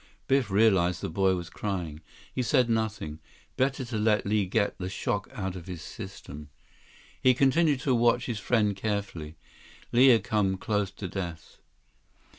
Biff realized the boy was crying. He said nothing. Better to let Li get the shock out of his system. He continued to watch his friend carefully. Li had come close to death.